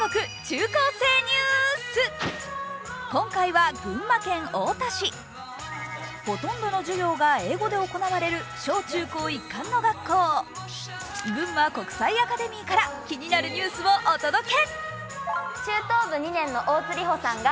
今回は群馬県太田市、ほとんどの授業が英語で行われる小・中・高一環の高校、ぐんま国際アカデミーから気になるニュースをお届け。